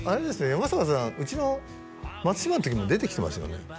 山坂さんうちの松嶋の時も出てきてますよね？